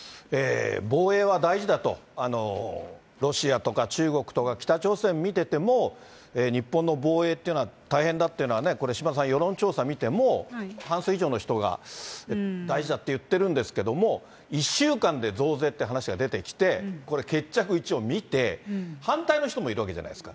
防衛は大事だと、ロシアとか中国とか北朝鮮見てても、日本の防衛っていうのは大変だっていうのはね、これ、島田さん、世論調査見ても、半数以上の人が大事だって言ってるんですけれども、１週間で増税って話が出てきて、これ、決着一応見て、反対の人もいるわけじゃないですか。